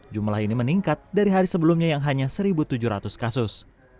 jumlah ini meningkat dari hari sebelumnya yang hanya satu tujuh ratus kasus